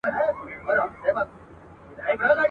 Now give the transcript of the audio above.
خړي څانګي تور زاغان وای ..